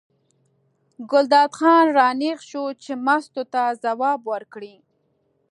ګلداد خان را نېغ شو چې مستو ته ځواب ورکړي.